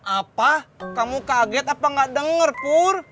apa kamu kaget apa nggak denger pur